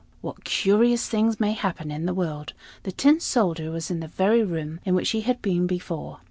What curious things may happen in the world. The Tin Soldier was in the very room in which he had been before!